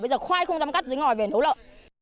bây giờ khoai không dám cắt dưới ngòi về nấu lợn